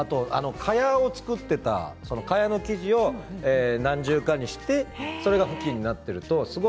蚊帳を作っていた蚊帳の生地を何重かにしてそれが布巾になっていると。